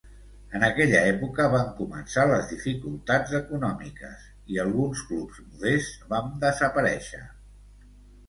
En aquella època van començar les dificultats econòmiques i alguns clubs modests van desaparèixer.